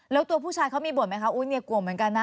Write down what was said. แล้วตัวผู้ชายเขามีบ่นไหมคะอุ๊ยเนี่ยกลัวเหมือนกันนะ